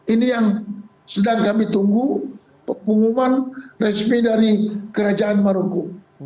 ini yang sedang kami tunggu pengumuman resmi dari kerajaan maroko